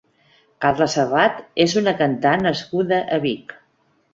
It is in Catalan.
Carla Serrat és una cantant nascuda a Vic.